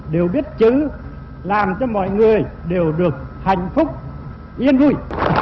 đều biết chữ làm cho mọi người đều được hạnh phúc yên vui